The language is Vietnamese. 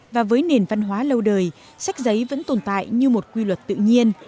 và với nền văn hóa lâu đời sách giấy vẫn tồn tại như một quy luật tự nhiên